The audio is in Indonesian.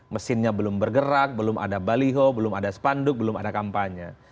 mesinnya belum bergerak belum ada baliho belum ada spanduk belum ada kampanye